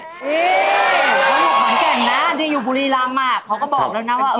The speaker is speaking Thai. ข้อนแก่นนะที่อยู่บุรีลำอ่ะเขาก็บอกแล้วนะว่า